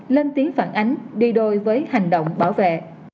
lên tiếng phản ánh đi đôi với hành động bảo vệ